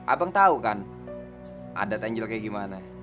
abang tau kan adat angel kayak gimana